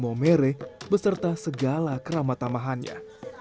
saya mau merek beserta segala keramatamahannya